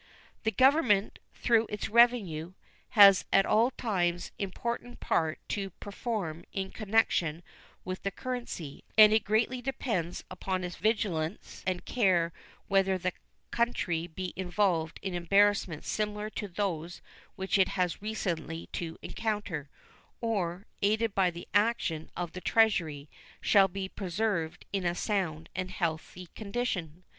The Government, through its revenue, has at all times an important part to perform in connection with the currency, and it greatly depends upon its vigilance and care whether the country be involved in embarrassments similar to those which it has had recently to encounter, or, aided by the action of the Treasury, shall be preserved in a sound and healthy condition.